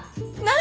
何？